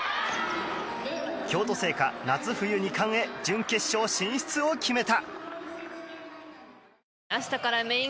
京都精華が夏冬２冠へ準決勝進出を決めた。